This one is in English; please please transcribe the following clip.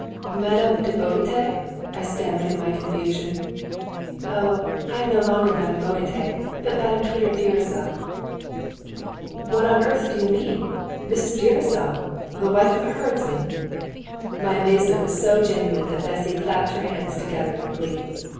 "Madame de Bagotay?" I stammered in my confusion. "Oh, I am no longer Madame Bagotay, but Madame Peter Gyuricza!" "What on earth do you mean? Mrs. Gyuricza! The wife of a herdsman?" My amazement was so genuine that Bessy clapped her hands together with glee.